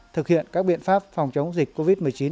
thực hiện các biện pháp phòng chống dịch covid một mươi chín